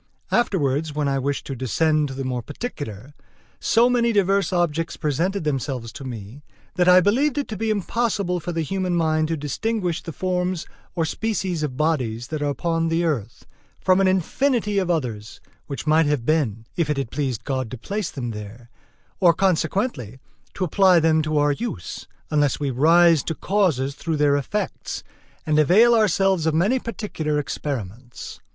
Afterwards when I wished to descend to the more particular, so many diverse objects presented themselves to me, that I believed it to be impossible for the human mind to distinguish the forms or species of bodies that are upon the earth, from an infinity of others which might have been, if it had pleased God to place them there, or consequently to apply them to our use, unless we rise to causes through their effects, and avail ourselves of many particular experiments.